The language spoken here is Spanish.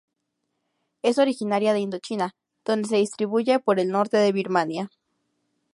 Es originaria de Indochina donde se distribuye por el norte de Birmania.